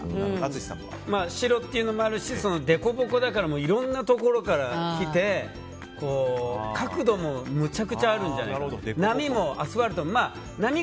白というのもあるしデコボコだからいろんなところからきて、角度もむちゃくちゃあるんじゃないかと。